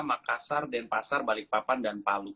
makassar denpasar balikpapan dan palu